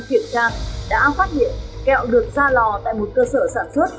kiểm tra đã phát hiện kẹo được ra lò tại một cơ sở sản xuất